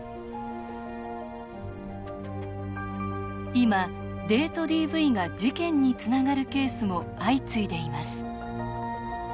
今、デートＤＶが事件につながるケースも相次いでいます。